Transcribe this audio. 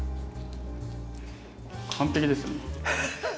完璧ですね。